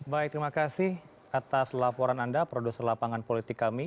baik terima kasih atas laporan anda produser lapangan politik kami